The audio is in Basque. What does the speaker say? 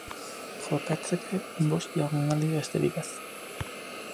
Jokatzeke, bost jardunaldi besterik ez.